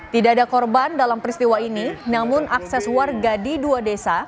tidak ada korban dalam peristiwa ini namun akses warga di dua desa